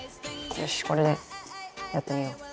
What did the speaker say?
よしこれでやってみよう。